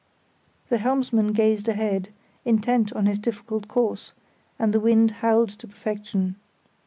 The helmsman gazed ahead, intent on his difficult course, and the wind howled to perfection.